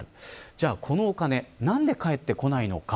じゃあ、このお金何で返ってこないのか。